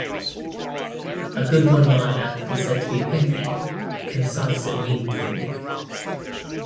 A good one-liner is said to be pithy - concise and meaningful.